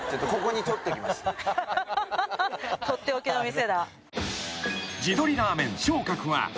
取って置きの店だ。